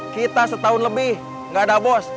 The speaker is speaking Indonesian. kita setahun lebih gak ada bos